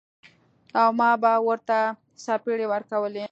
او ما به ورته څپېړې ورکولې.